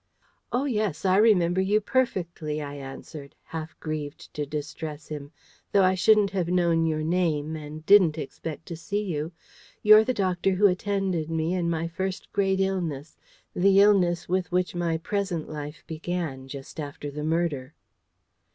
"Oh, yes; I remember you perfectly," I answered, half grieved to distress him, "though I shouldn't have known your name, and didn't expect to see you. You're the doctor who attended me in my first great illness the illness with which my present life began just after the murder."